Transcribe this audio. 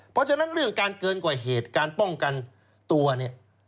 เพราะฉะนั้นเรื่องการเกินกว่าเหตุการป้องกันตัวเนี่ย